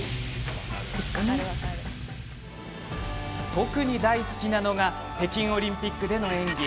特に大好きなのが北京オリンピックでの演技。